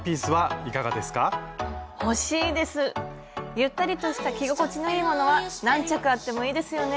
ゆったりとした着心地のいいものは何着あってもいいですよね。